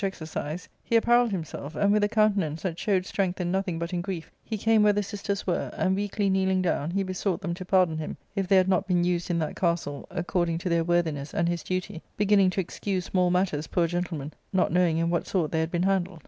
353 exercise), he apparelled himself, and, with a countenance that showed strength in nothing but in grief, he came where the sisters were, and weakly kneeling down, he besought them to pardon him if they had not been used in that castle accord ing to their worthiness and his duty, beginning to excuse small matters, poor gentleman, not knowing in what sort they had been handled.